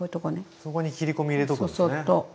そこに切り込み入れとくんですね。